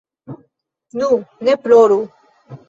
Nu, ne ploru.